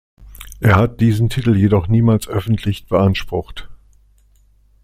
Er hat diesen Titel jedoch niemals öffentlich beansprucht.